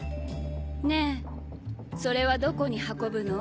ねえそれはどこに運ぶの？